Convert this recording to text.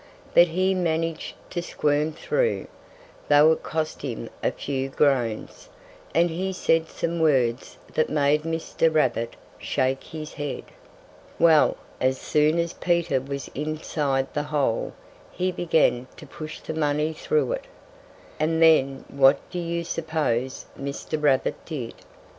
But he managed to squirm through, though it cost him a few groans; and he said some words that made Mr. Rabbit shake his head. Well, as soon as Peter was inside the hole he began to push the money through it. And then what do you suppose Mr. Rabbit did?